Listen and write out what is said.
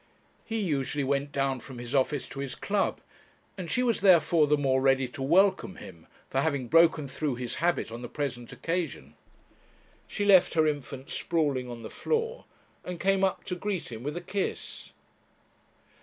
He usually went down from his office to his club, and she was therefore the more ready to welcome him for having broken through his habit on the present occasion. She left her infant sprawling on the floor, and came up to greet him with a kiss.